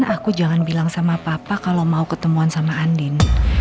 aku jangan bilang sama papa kalau mau ketemuan sama andin